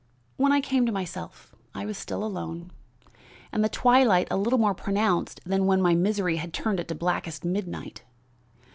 "When I came to myself I was still alone, and the twilight a little more pronounced than when my misery had turned it to blackest midnight.